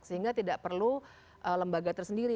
sehingga tidak perlu lembaga tersendiri